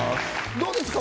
どうですか？